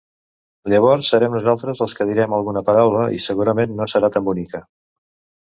Llavors serem nosaltres els que direm alguna paraula, i segurament no serà tan bonica.